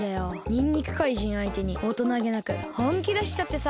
にんにくかいじんあいてにおとなげなくほんきだしちゃってさ。